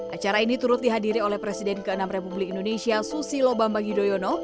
acara ini turut dihadiri oleh presiden ke enam republik indonesia susilo bambang yudhoyono